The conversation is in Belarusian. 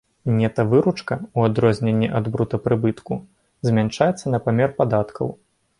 Нета-выручка, у адрозненне ад брута-прыбытку, змяншаецца на памер падаткаў.